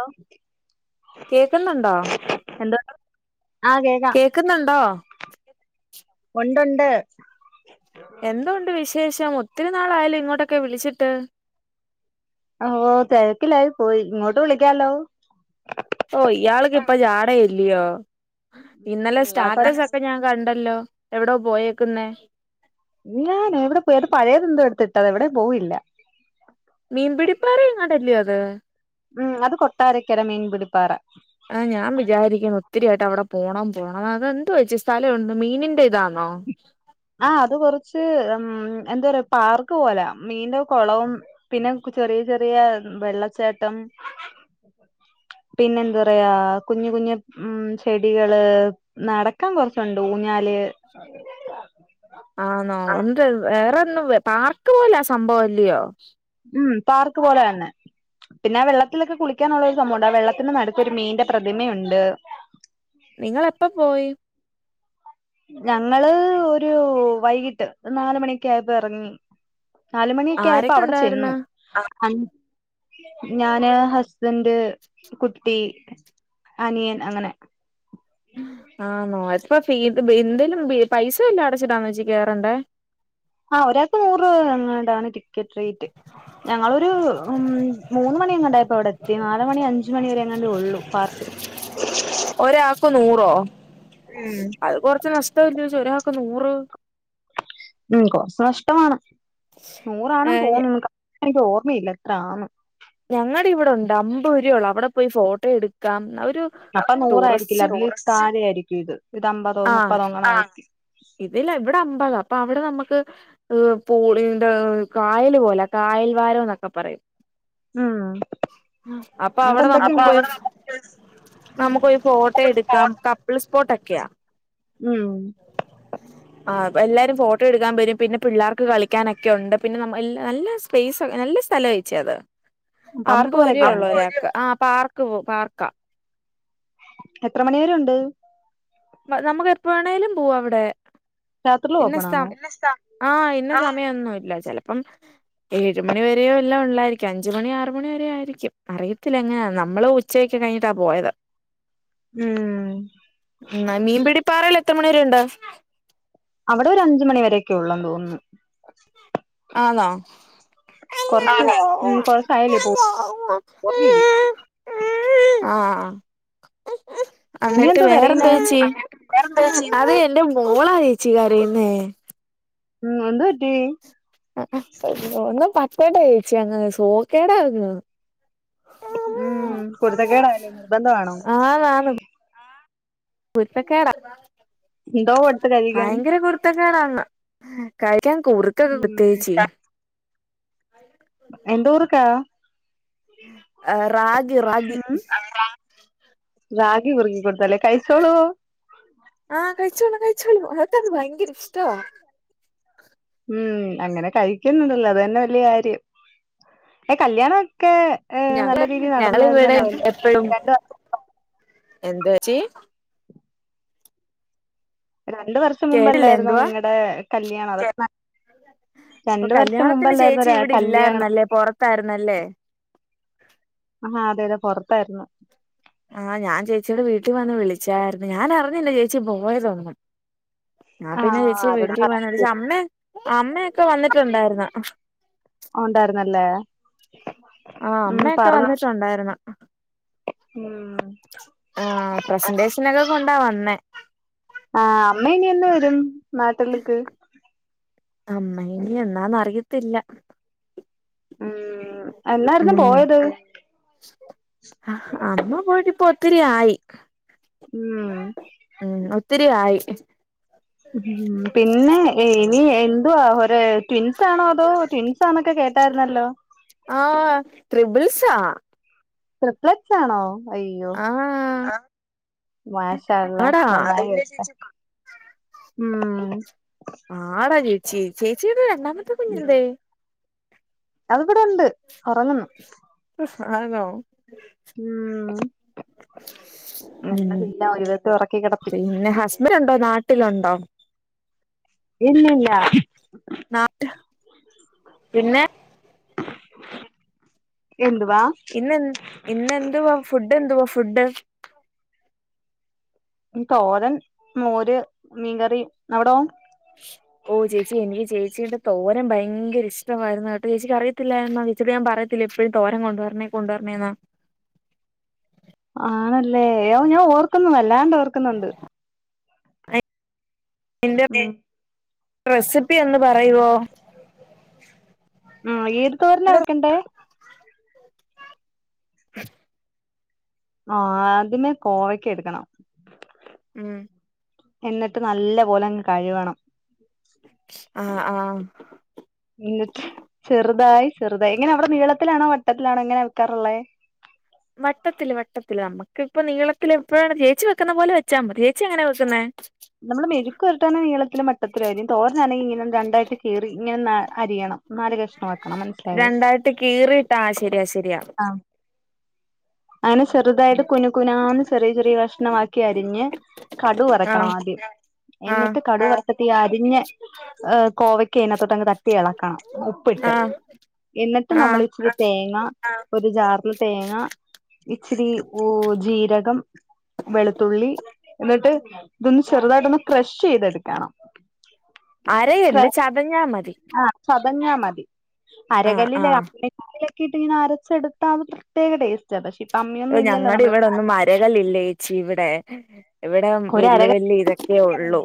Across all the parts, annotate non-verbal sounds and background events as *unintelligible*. Hello കേക്കുന്നുണ്ടോ എന്തോ ആഹ് കേക്കാം കേക്കുന്നുണ്ടോ ഉണ്ട്ണ്ട് എന്തുണ്ട് വിശേഷം ഒത്തിരി നാളായല്ലോ ഇങ്ങോട്ടൊക്കെ വിളിച്ചിട്ട് ഓ തിരക്കിലായിപ്പോയി ഇങ്ങോട്ട് വിളിക്കാലോ ഓ ഇയാള്ക്ക് ഇപ്പൊ ജാടയില്ലോ ഇന്നലെ നിങ്ങളൊക്കെ സ്റ്റാറ്റസൊക്കെ ഞാൻ കണ്ടല്ലോ എവിടെ പോയേക്കുന്നെ ഞാൻ എവിടെ പോയാലും അത് പഴയത് എന്തോ എടുത്തിട്ടാതാ എവിടേം പോവില്ല മീൻ പിടിപ്പാറ എങ്ങണ്ടല്ലയോ അത് ഉം അത് കൊട്ടാരക്കര മീൻ പിടിപ്പാറ ആഹ് ഞാൻ വിചാരിക്ക്ണു ഒത്തിരിയായിട്ട് അവിടെ പോണം പോണം എന്തുവാച്ചി സ്ഥലണ്ടോ മീനിന്റെതാണോ ആ അത് കൊറ്ച്ച് ഉം എന്തോപറയാ പാർക്ക് പോലെ മീന് കൊളവും പിന്നെ കുറ്റി ചെറിയ ചെറിയ വെള്ളച്ചാട്ടം പിന്നെന്തെറയാ കുഞ്ഞ് കുഞ്ഞ് ഉം ചെടികള് നടക്കാൻ കൊർച്ചുണ്ട് ഊഞ്ഞാല് ആന്നോ ഇന്നിട്ട് വേറെന്നും പാർക്ക് പോലാ സംഭവല്ലയോ ഉം പാർക്ക് പോലെ തന്നെ പിന്നെ ആ വെള്ളത്തിലൊക്കെ കുളിക്കാനുള്ളൊരു സംഭവണ്ട് വെള്ളത്തിന് നട്ക്കൊരു മീൻന്റെ പ്രതിമയുണ്ട് ഇങ്ങള് ഇപ്പോ പോയി ഞങ്ങള് ഒരു വൈകീട്ട് നാല് മണിയൊക്കെ ആയപ്പോ എറങ്ങി നാലുമണിയൊക്കെ ആയപ്പോ ആരൊക്കെ അവിടെ ചെന്നു ഉണ്ടായിരുന്ന് ഞാന് ഹസ് ബന്റ്, കുട്ടി, അനിയൻ അങ്ങനെ ആണോ ഇപ്പോ ഫ്രീ എന്ത്ലും പൈസവല്ലാ അടച്ചിടാന്ന് ഏച്ചി കേരണ്ടേ ആഹ് ഒരാക്ക് നൂറ് എങ്ങാണ്ടാണ് ടിക്കറ്റ് റേറ്റ് ഞങ്ങളൊരു ഉം മൂന്ന് മണി എങ്ങാണ്ടായി ഇപ്പൊ അവിടെ എത്തി നാല് മണി അഞ്ച് മണി വരെ എങ്ങാണ്ടൊള്ളൂ പാർസ് ക്ക് നൂറോ അത് കൊറച്ച് നഷ്ടല്ലേ ഒരാക്ക് നൂറ് ഉം കൊറച്ച് നഷ്ടമാണ് നൂറാണ് ഏഹ് തോന്നുന്നു എനിക്ക് ഓർമ്മയില്ല എത്രാണ് ഞങ്ങടെ ഇവിടെണ്ട് അമ്പത് രൂപയൊള്ളൂ അവിടെ പോയി ഫോട്ടോ എടുക്കാം ഒരു അപ്പൊ നൂറായിരിക്കില്ല ടൂറിസ്റ്റ് നൂറിസ്ഥാഴെ ആയിരിക്കും ഇത് ഇത് അമ്പതോ ആഹ് മുപ്പതോ അങ്ങനെ ഇതില്ല ഇവിടെ അമ്പാതാ അപ്പൊ അവിടെ നമക്ക് പൂളിന്ത കായല് പോലെ കായൽവാരം എന്നൊക്കെ പറയും ഉം അപ്പൊ അവിടെ നമ്മുക്ക് പോയി നമുക്ക്പോയി ഫോട്ടോ എടുക്കാം കപ്പിൾസ്പോട്ട് ഒക്കെയാ ഉം ആ എല്ലരും ഫോട്ടോ എടുക്കാൻ വെരും പിന്നെ പിള്ളേർക്ക് കളിക്കാനൊക്കെ ഉണ്ട് പിന്നെ എല്ലാ നല്ല രസ പെയ്സ് നല്ല സ്ഥലാ ഏച്ചി അത് പാർക്ക് പോലൊക്കെയാണ് അമ്പരുപയൊള്ളൂ ഒരാക്ക് ആ പാർക്ക് പോ പാർക്ക് എത്ര മണിവരെ ഉണ്ട് നമുക്ക് എപ്പോണേങ്കിലും പോകാം അവിടെ രാത്രിൽ ഇന്ന ഓപ്പൺ സ് ആണോ ആഹ ഇന്ന സമയമൊന്നുമില്ല ചെലപ്പം ഏഴ് മണി വരെയോ എല്ലാം ഉള്ളായിരിക്കും അഞ്ചുമണിയോ ആറ് മണി വരെയ ആയിരിക്കും അറിയത്തില്ല എങ്ങനാന്ന് നമ്മള് ഉ ഉച്ചക്ക് കഴിഞ്ഞിട്ടാ പോയത് ഉം ഉം ന്ന ൻ മീൻ പിടി പാറയിൽ എത്ര മണി വരെ ഉണ്ട് അവിടെ ഒരു അഞ്ച് മണിവരെയൊക്കെ ഉള്ളന്ന് തോന്നുന്നു ആന്നോ കൊറച്ച് ഉം കൊറച്ചായല്ലേ പോ ആഹ് എന്നിട്ട് കുഞ്ഞെന്തോ കരയുന്നേ വേറെന്താ ചേച്ചി അത് എന്റെ മോളാ ചേച്ചി കരയുന്നേ ഉം എന്തുപ്പറ്റി ഒന്ന് പറ്റട്ട യേച്ചി അങ് സോക്കേട അങ് ഉം കുർത്ത കേടായല്ലേ നിർബന്ധമാണോ ആന്ന് ആന്ന് കുരുത്തക്കേടാ എന്തോ കൊടുത്ത് കഴിക്കാൻ ഭയങ്കര കുരു കുർത്തകേടാങ്ങ് കഴിക്കാൻ കുറുക്കൊക്കെ ഉം പ്രത്ച്ചി എന്തു കുർക്കാ റാഗി റാഗി ഉം റാഗി കുർഗി കൊടുത്തല്ലേ കയ്ച്ചോളോ ആഹ് കഴിച്ചോളും കഴിച്ചോളും അവക്കത് ഭയങ്കര ഇഷ്ടവാ ഉം അങ്ങനെ കഴിക്കുന്നുണ്ടല്ലോ അത് തന്നെ വലിയ കാര്യം ഏ കല്യാണൊക്കെ ഞ ഏഹ് നല്ല രീതിയിൽ ഞങ്ങള് ഇവിടെ നടന്നായിരുന്നല്ലോ അല്ലേ എപ്പഴും രണ്ട് എന്തുവാച്ചി രണ്ട് വർഷം കേട്ടില്ല മുമ്പല്ലരുന്നോ എന്തുവാ നിങ്ങളടെ കല്യാണം അപ്പൊ രണ്ട് വർഷം കല്യാണത്തിന് മുമ്പല്ലായിരുന്നോ ചേച്ചി ഒരാ ഇവിടെ കല്യാണം ഇല്ലായിരുന്നല്ലേ പുറത്തായിരുന്നല്ലേ ആഹ് അതെ അതെ പൊറത്തായിരുന്നു ആഹ് ഞാൻ ചേച്ചിയുടെ വീട്ടിൽ വന്ന് വിളിച്ചായിരുന്നു ഞാന് അറിഞ്ഞില്ല ചേച്ചി പോയ തോന്നും ഞാൻ പിന്നെ ആഹ് ചേച്ചി ആരോട് വീട്ടിൽ വന്നടച്ച അമ്മേ അമ്മയൊക്കെ വന്നിട്ടുണ്ടായിരുന്ന് ഉണ്ടായിരുന്നല്ലേ ആഹ് അമ്മയൊക്കെ വന്നിട്ടുണ്ടായിരുന്നു മം ആ പ്രസന്റേഷനൊക്കെ കൊണ്ടാ വന്നേ ആഹ് അമ്മ ഇനി എന്നു വരും നാട്ടില്ക്ക് അമ്മ ഇനി എന്നാന്ന് അറിയത്തില്ല ഉം എന്നായിരുന്നു പോയത് അഹ് അമ്മ പോയിട്ട് ഇപ്പൊ ഒത്തിരി ആയി ഉം ഉം ഒത്തിരിയായി ഉ പിന്നെ ഇനി എന്തുവാ ഒ ട്വിൻസാണോ അതോ ട്വിൻസ് സാന്ന് ഒക്കെ കേട്ടായിരുന്നല്ലോ ആഹ് ത്രിബിൾസാ തൃപ്ലറ്റ്സ് ആണോ അയ്യോ ആഹ് മാശാഅള്ളാ ആടാ നന്നായി വരട്ടെ ആടാ ചേച്ചി ചേച്ചിയുടെ രണ്ടാമത്തെ കുഞ്ഞെന്തേ അത് ബടെ ഉണ്ട് ഒറങ്ങുന്നു സാ നോ ഉം ഉം എന്താ ചെയ്യാ ഒരു വിധത്തി ഒറക്കി കിടത്തി പിന്നെ ഹസ്ബൻ്റ് ഉണ്ടോ നാട്ടിലുണ്ടോ ഇല്ലില്ല നാട്ട് പിന്നെ എന്തുവാ ഇന്നെ ഇന്നെന്തുവാ ഫുഡ് എന്തുവാ ഫുഡ് തോരൻ, മോര്, മീൻകറി അവിടൊ *inaudible* ഓഹ് ചേച്ചി എനിക്ക് ചേച്ചിയുടെ തോരൻ ഭയങ്കര ഇഷ്ടമായിരുന്നു കേട്ടോ ചേച്ചിക്ക് അറിത്തില്ലയിരുന്നോ ചേച്ചീട് ഞാൻ പറയ ത്തില്ലെ എപ്പോഴും തോരൻ കൊണ്ടുവരണേ കൊണ്ടുവരണേന്ന് ആണല്ലേ ഓഹ് ഞാൻ ഓർക്കുന്നു വല്ലാണ്ട് ഓർക്കുന്നുണ്ട് തിന്റെ ഉം റെസിപ്പി ഒന്ന് പറയുവോ ഉം ഏത് തോരനാ വെക്കണ്ടേ ആഹ് ആദ്യമേ കോവക്ക എടുക്കണം ഉം എന്നിട്ട് നല്ല പോലങ്ങ് കഴുകണം ആഹ് ആഹ് എന്നിട്ട് ചെറുതായി ചെറുതായി എങ്ങനെ അവിടെ നീളത്തിലാണോ വട്ടത്തിലാണോ എങ്ങനെ വെക്കാറുള്ളെ വട്ടത്തില് വട്ടത്തില് നമ്മ ക്ക് ഇപ്പൊ നീളത്തില് എപ്പോഴാണ് ചേച്ചി വെക്കുന്ന പോലെ വെച്ചാ മതി ചേച്ചി എങ്ങനെ വെക്കുന്നേ നമ്മള് മെഴുക്ക്‌ വെരട്ടാന നീളത്തിലും വട്ടത്തിലും അരിയും തോരഞ്ഞാണെങ്കിൽ ഇങ്ങനെ രണ്ടായിട്ട് കിറി ഇങ്ങനെ നാ അരിയണം നാല് കഷ്ണം ആക്കണം മനസ്സിലായോ ട്ട് കീറിട്ട് ആഹ് ശരിയാ ശരിയാ ആഹ് അങ്ങനെ ചെറുതായിട്ട് കുന കുനാന്ന് ചെറിയ ചെറിയ കഷ്ണമാക്കി അരിഞ്ഞ് കടു വറക്കണം ആഹ് ആദ്യം ആഹ് എന്നിട്ട് കടു വറ തിട്ടീ അരിഞ്ഞ കോവയ്ക്ക് അതിനകത്തൊട്ടങ് തട്ടി ഇളക്കണം ഉപ്പിട്ട് ആഹ് എന്നിട്ട് നമ്മള് ആഹ് ഇച്ചിരി തേങ്ങ ഒരു ജാറിൽ തേങ്ങ ഇച്ചിരി ഉ ജീരകം വെളുത്തുള്ളി എന്നിട്ട് ഇതൊന്ന് ചെറുതായിട്ടൊന്ന് ക്രഷ് ചെയ്തെടുക്കണം അരയല്ല് ക്രഷ് ചതഞ്ഞാ മതി ആ ചതഞ്ഞാ മതി ആഹ് അരകല്ലില് ആഹ് *unintelligible* ക്കിട്ട് ഇങ്ങനെ അരച്ചെടുത്താ അത് പ്രത്യേക ടേസ് ഞങ്ങടെ ഇവിടെ ഒന്നും അര കല്ല് ഇല്ലേ ച്ചി ഇവിടെ ഇവിടെ ഒരു അര വല്യ വല്യ ഇതൊക്കെ ഒള്ളൂ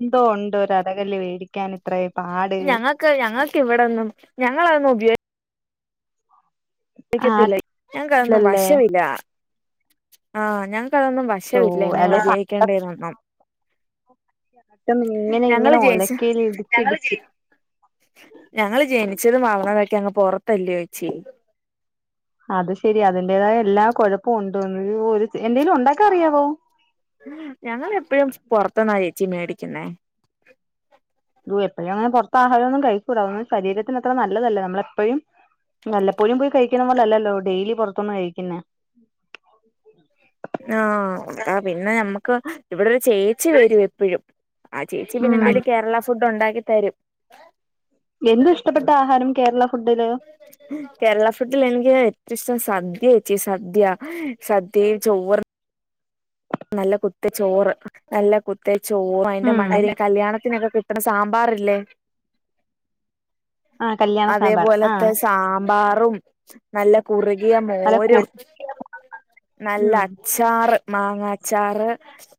എന്തോ ഉണ്ട് ഒരു അര കല്ല് വേടിക്കാൻ ഇത്രേ പാട് ക്ക് ഞങ്ങൾക്ക് ഇവിടോന്നും ഞങ്ങളൊന്നും ഉപയോ ഗത്തില്ല ഞങ്ങക്ക് അതൊന്നും ആറ്റില്ലല്ലേ വശവില്ല ആഹ് ഞങ്ങക്ക് അതൊന്നും വ ഓ ശവില്ല എങ്ങനെ അല്ലെ ഉപയോഗിക്കേണ്ടേനൊന്നും ട്ടം ഇങ്ങനെ ഇങ്ങനെ ഒലക്കെൽ ഇടുച്ചിടിച്ചു ഞങ്ങള് *unintelligible* ഞങ്ങൾ ജനിച്ചതും വളർന്നതൊക്കെ അങ്ങ് പുറത്തല്ലയോ ചേച്ചി അത് ശെരി അതിന്റേതായ എല്ലാ കൊഴപ്പോം ഉണ്ട് ഒരു എന്തെലും ഉണ്ടാക്കൻ അറിയാവോ ഞങ്ങൾ എപ്പഴും പുറത്തുന്നാ ചേച്ചി മേടിക്കുന്നേ വോ എപ്പോഴും അങ്ങനെ പുറത്ത ആഹാരം ഒന്നും കഴിക്കൂട അതൊന്നും ശരീരത്തിന് അത്ര നല്ലതല്ല നമ്മൾ എപ്പഴും വല്ലപ്പോഴും പോയി കഴിക്കുന്ന പോല അല്ലല്ലോ ഡെയിലി പുറത്തുന്ന് കഴിക്കുന്നേ ആഹ് അതാ പിന്നെ നമ്മുക്ക് ഇവിടെ ഒരു ചേ ച്ചി വരും എപ്പോഴും ആ ചേച്ചി പിന്നെ ഉം എന്തേലും കേരള ഫുഡ് ഉണ്ടാക്കി തരും എന്തൊ ഇഷ്ടപ്പെട്ട ആഹാരം കേരള ഫുഡില് കേരള ഫുഡിൽ എനിക്ക് ഏറ്റവും ഇഷ്ടം സദ്യേ ച്ചി സദ്യ സദ്യേം ചോറും നല്ല കുത്തച്ചോറ് നല്ല കുത്തരി ച്ചോറ് അതിന്റെ മണ്ടേൽ ഉം ഇങ്ങനെ കല്യാണത്തിനൊക്കെ കിട ട്ടണ സാമ്പാറില്ലേ ആ കല്യാണ അതേ സാമ്പാർ ആ പോലാത്തെ സാമ്പാ മ്പാറും നല്ല കുറുകിയ അല്ല മോരും കുറുക്ക് നല്ല അ ച്ചാർ മാങ്ങാച്ചാറ്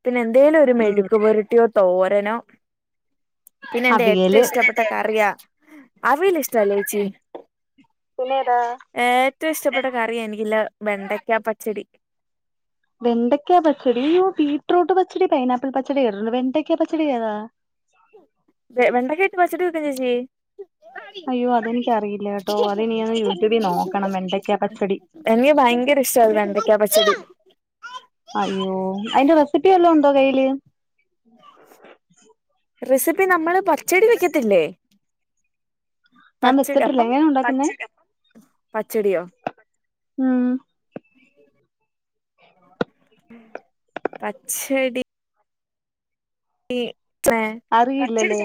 പിന്നെ എന്തേലും ഒരു മെഴുക്ക് പൊരുട്ടിയോ തോരനോ പിന്നെ എന്റെ ഏറ്റവും അവിയല് ഇഷ്ടപ്പെട ട്ട കറിയ അവിയൽ ഇഷ്ട്ടല്ലേ ചേച്ചി പിന്നെതാ ഏറ്റവും ഇഷ്ടപ്പെട്ട കറിയ എനിക്കില്ല വെണ്ടയ്ക്ക പച്ചടി വെണ്ടയ്ക്കാ പച്ചടി ആയോ ബീട്രൂട്ട് പച്ചടി പൈനാപ്പിൾ പച്ചടി കേട്ടിട്ടുണ്ട് വെണ്ടക്കാ പച്ചടി ഏതാ വെണ്ടക്കായിട്ട് പച്ചട്ടി വെക്കും ചേച്ചി അയ്യോ അത് എനിക്ക് അറിയില്ലേ കേട്ടോ അത് ഇനിന്ന് യൂട്യൂബിൽ നോക്കണം വെണ്ടയ്ക്ക പച്ചടി എനിക്ക് ഭയങ്കര ഇഷ്ടമ വെണ്ടക്ക പച്ചടി അയ്യോ അതിന്റെ റെസിപ്പി എല്ലാം ഉണ്ടോ കയ്യില് മ് റെസിപ്പി നമ്മള് പച്ചടി വെക്കത്തില്ലേ ഞാൻ പച്ചടി വെച്ചട്ടില്ലേ അപ്പം എങ്ങനെ ഉണ്ടാക്കുന്നെ പച്ചടിയോ മ് ഉ ആ പച്ചടി ഈ ചെ അറിയില്ലല്ലേ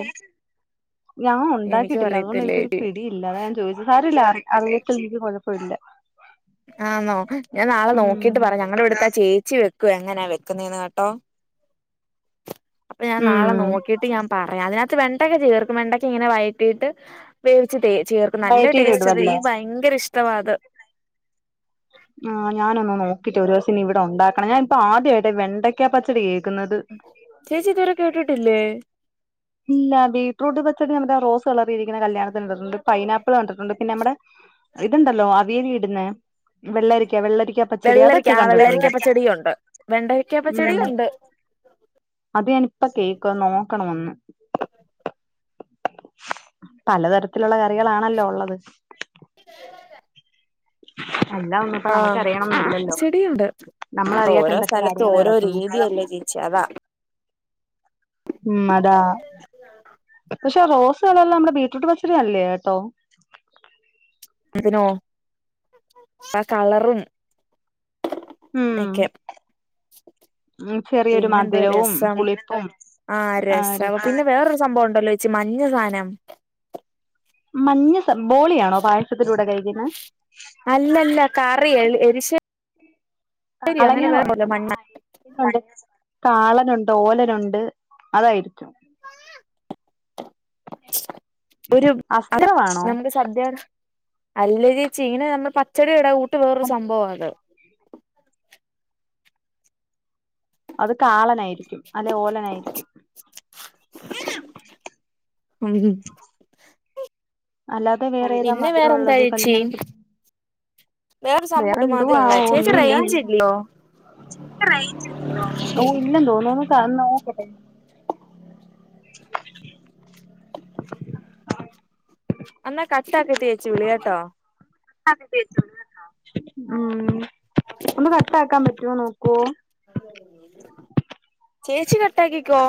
ഞാൻ എനിക്കും ഉണ്ടാക്കിട്ടില്ല അതുകൊണ്ട് അറിയത്തില്ല എനിക്കരു ചേച്ചി പിടി ഇല്ല അത ഞാൻ ചോദിച്ചത് സാരമില്ല എനിക്ക് കുഴപ്പമില്ല ആണോ ഞാൻ നാളെ ഉം നോക്കിട്ട് പറയാം ഞങ്ങളുടെ ഇവിടുത്തെ ആ ചേച്ചി വെക്കും എങ്ങനെയ വെക്കുന്നന്ന് കേട്ടോ അപ്പൊ ഞാൻ ഉം നാളെ നോക്കി ട്ട് ഞാൻ പറയാം അതിനകത്ത് വെണ്ടൊക്കെ ചേർക്കും വെണ്ടക്കെ ഇങ്ങനെ വയറ്റിട്ട് വേവിച്ച് ചേർക്കും നല്ല വഴറ്റിയിട്ട് ടേസ്റ്റ് അത് ഇടുവല്ലേ എനിക്ക് ഭയങ്കര ഇഷ്ടമാ അത് ആ ഞാനൊന്ന് നോക്കിട്ട് ഒരു ദിവസം ഇനി ഇവിടെ ഉണ്ടാക്കണം ഞാൻ ഇപ്പോ ആദ്യമായിട്ട് വെണ്ടക്ക പച്ചടി കേൾക്കുന്നത് ചേച്ചി ഇതുവരെ കേട്ടിട്ടില്ലേ ഇല്ല ബീറ്റ്റൂട്ട് പച്ചടി നമ്മുടെ റോസ് കളറിയിരിക്കുന്ന കല്യാണത്തിന് കണ്ടിട്ടുണ്ട് പൈനാപ്പിൾ കണ്ടിട്ടുണ്ട് പിന്നെ നമ്മടെ ഇതുണ്ടല്ലോ അവിയൽ ഇടുന്ന വെള്ളരിക്ക ആ കണ്ടിട്ടുണ്ട് വെള്ളരിക്കപ്പ പച്ചടിയും ഉണ്ട് വെണ്ടക്കപ്പ ഉം പച്ചടിയും ഉണ്ട് ഉ അത് ഞാൻ ഇപ്പോ കേൾക്കും നോക്കണ ഒന്ന് പലതരത്തിലുള്ള കറികളാണല്ലോ ഉള്ളത് അല്ലാ ഒന്നും ഇപ്പൊ നമ്മുക്ക് അറിയണം എന്ന് ന്ന ഇല്ലല്ലോ ചെടിയുണ്ട് നമ്മളറിയാത്ത ഓരോ എന്തൊക്കെ സ്ഥലത്തും കാര്യങ്ങൾ ഓരോ കിടക്കുന്നു രീതിയല്ലേ ചേച്ചി അതാ ഉ അതാ പക്ഷെ റോസുകളെല്ലാം നമ്മുടെ ബീറ്റ്റൂട്ട് പച്ചടി അല്ലേ കേട്ടോ അതിനോ ആ കളറും ഉം ഓക്കെ ചെറിയൊരു പിന്നെന്തോ മധുരവും രസം പുളിപ്പും ആഹ രസം പിന്നെ വേറരു സംഭവം ഉണ്ടല്ലോ മഞ്ഞ സാനം മഞ്ഞ സം ബോളിയാണോ പായസത്തിലൂടെ കഴിക്കുന്ന അല്ലല്ല കറിയ എരിശ്ശേരി കാള മണ്ണ കാളനുണ്ട് ഓലനുണ്ട് അതായിരിക്കും ഒരു അസ്ത്രമാണോ നമ്മുക്ക് സദ്യ അല്ല ച്ചീ ഇങ്ങനെ നമ്മൾ പച്ചടിയുടെ ഊട്ട് വേറൊരു സംഭവമാണത് അത് കാളനായിരിക്കും അല്ലെ ഓലനായിരിക്കും മ് അല്ലാതെ വേറേതാ പിന്നെ വേറെന്താ മധുരവുള്ളത് ചേച്ചി കല്യാണ സദ്യ വേറെ സംഭവം ഇത് മാത്രേ വേറെന്തുവാ ഉള്ളേ ചേച്ചി ഒന്നുവില്ല റേഞ്ച് ഇല്ലയോ *unintelligible* ഓ ഇല്ലന്ന് തോന്നുന്നു കന്ന നോക്കട്ടെ *inaudible* അന്നാ കട്ടാക്കിട്ടേച്ചി വിളി കേട്ടോ? ഉംഹ് ഒന്ന് കട്ടാക്കാൻ പറ്റോ നോക്കോ? ചേച്ചി കട്ടാക്കിക്കോ?